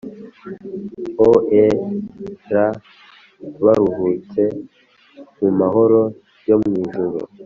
o'er abaruhutse mumahoro yo mwijuru.